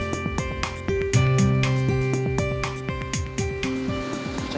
yaudah aku masuk duluan ya